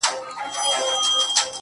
هغه څه دي چې هم